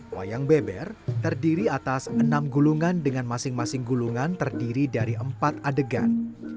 wayang beber terdiri atas enam gulungan dengan masing masing gulungan terdiri dari empat adegan